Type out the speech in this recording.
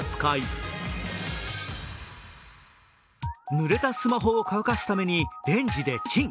ぬれたスマホを乾かすためにレンジでチン。